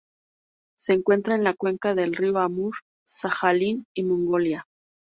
Se encuentra en la cuenca del río Amur, Sajalín y Mongolia.